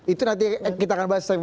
itu nanti kita akan bahas lagi